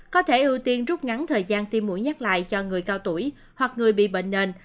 có thể ưu tiên rút ngắn thời gian tiêm mũi nhắc lại cho người cao tuổi hoặc người bị bệnh nền